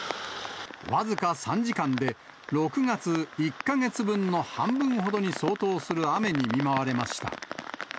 僅か３時間で、６月１か月分の半分ほどに相当する雨に見舞われました。